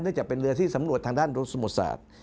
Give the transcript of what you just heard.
เนื่องจากเป็นเรือที่สำรวจทางด้านโรคนสมุทธศาสตร์